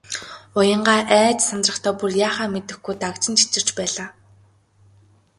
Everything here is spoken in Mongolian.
Уянгаа айж сандрахдаа бүр яахаа мэдэхгүй дагжин чичирч байлаа.